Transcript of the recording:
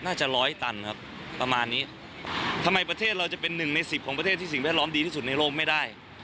ร้อยตันครับประมาณนี้ทำไมประเทศเราจะเป็นหนึ่งในสิบของประเทศที่สิ่งแวดล้อมดีที่สุดในโลกไม่ได้